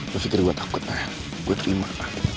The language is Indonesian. lo pikir gue takut man gue terima man